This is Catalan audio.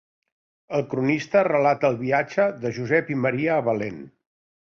El Cronista relata el viatge de Josep i Maria a Betlem.